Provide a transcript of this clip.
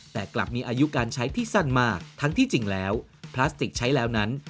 แต่กลับมีอายุการใช้ที่สั้นมากทั้งที่จริงแล้วพลาสติกใช้แล้วนั้น